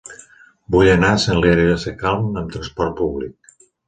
Vull anar a Sant Hilari Sacalm amb trasport públic.